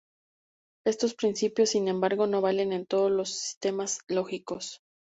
Estos principios, sin embargo, no valen en todos los sistemas lógicos.